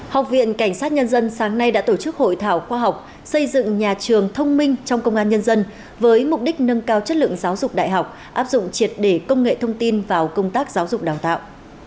học viện cảnh sát nhân dân sáng nay đã tổ chức hội thảo khoa học xây dựng nhà trường thông minh trong công an nhân dân với mục đích nâng cao chất lượng giáo dục đại học áp dụng triệt để công nghệ thông tin vào công tác giáo dục đào tạo